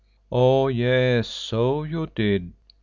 "Oh! yes, so you did.